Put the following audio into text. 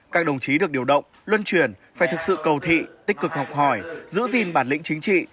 các đồng chí được điều động luân truyền phải thực sự cầu thị tích cực học hỏi giữ gìn bản lĩnh chính trị